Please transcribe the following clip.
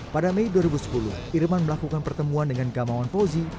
pada mei dua ribu sepuluh irman melakukan pertemuan dengan gamawan fauzi